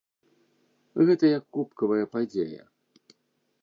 Гэта як кубкавая падзея.